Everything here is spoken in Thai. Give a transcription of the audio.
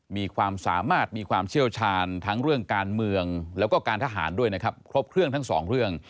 มีความสามารถมีความเชี่ยวชาญทั้งเรื่องการเมืองแล้วก็การทหารด้วยนะครับครบเครื่องทั้งสองเรื่อง